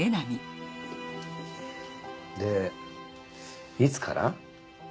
でいつから？